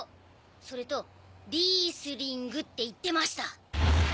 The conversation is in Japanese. それと「リースリング」って言ってました。